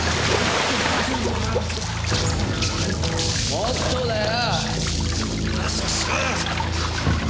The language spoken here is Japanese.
もっとだよ！